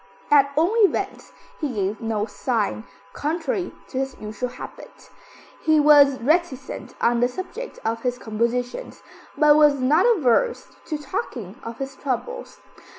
At all events, he gave no sign, contrary to his usual habit. He was reticent on the subject of his compositions, but was not averse to talking of his troubles.